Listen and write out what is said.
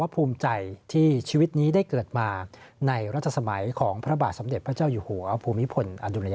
ผู้คนต่างพากัน